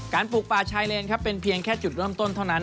ปลูกป่าชายเลนครับเป็นเพียงแค่จุดเริ่มต้นเท่านั้น